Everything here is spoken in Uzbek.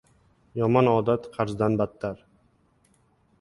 • Yomon odat qarzdan battar.